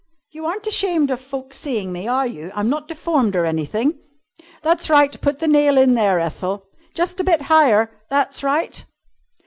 You aren't ashamed of folks seeing me, are you! I'm not deformed or anything." "That's right! Put the nail in there, Ethel." "Just a bit higher. That's right!"